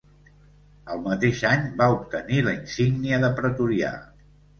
El mateix any va obtenir la insígnia de pretorià.